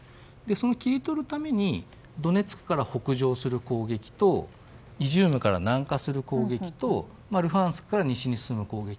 切り取るためにドネツクから北上する攻撃とイジュームから南下する攻撃とルハンスクから西に進む攻撃